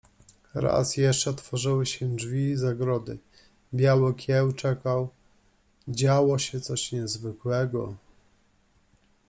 Raz jeszcze otworzyły się drzwi zagrody. Biały Kieł czekał. Działo się coś niezwykłego.